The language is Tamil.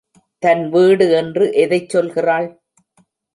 தன் வீடு என்று எதைச் சொல்கிறாள்?